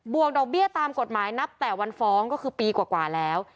วกดอกเบี้ยตามกฎหมายนับแต่วันฟ้องก็คือปีกว่าแล้ว